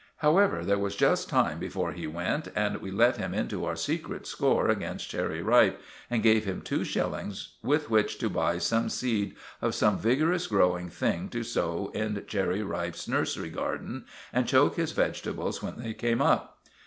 However, there was just time before he went, and we let him into our secret score against Cherry Ripe, and gave him two shillings with which to buy some seed of some vigorous growing thing to sow in Cherry Ripe's nursery garden and choke his vegetables when they came up.